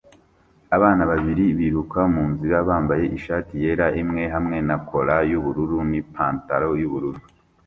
Abana babiri biruka munzira bambaye ishati yera imwe hamwe na cola yubururu nipantaro yubururu